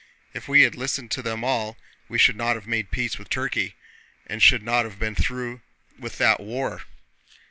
"If we had listened to them all we should not have made peace with Turkey and should not have been through with that war.